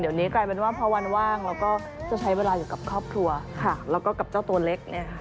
เดี๋ยวนี้กลายเป็นว่าพอวันว่างเราก็จะใช้เวลาอยู่กับครอบครัวค่ะแล้วก็กับเจ้าตัวเล็กเนี่ยค่ะ